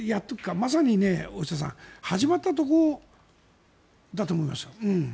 まさに大下さん始まったところだと思いますよ。